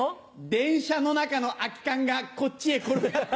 電車の中の空き缶がこっちへ転がって来る。